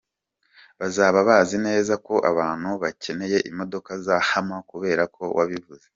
Bazaba bazi neza ko abantu bakeneye imodoka za hammer kubera ko wabivuze.